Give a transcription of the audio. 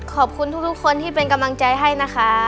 ขอบคุณทุกคนที่เป็นกำลังใจให้นะคะ